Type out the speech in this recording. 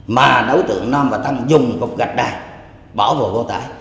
mà đối tượng nam và tâm dùng cục gạch này bỏ vô vô tải